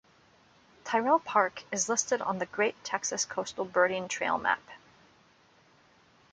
Tyrrell Park is listed on the Great Texas Coastal Birding Trail map.